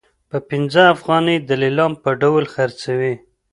په پنځه افغانۍ د لیلام په ډول خرڅوي.